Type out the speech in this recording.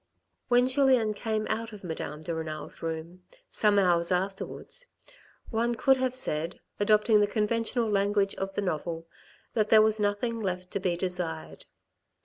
When Julien came out of Madame de Renal's room some hours^afterwards, one could have said, adopting the conventional language of the novel, that there was nothing left to be desired.